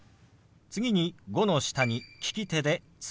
次「５」の下に利き手で「月」。